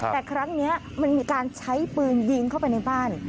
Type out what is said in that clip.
แต่ครั้งนี้มันมีการใช้ปืนยิงเข้าไปในบ้าน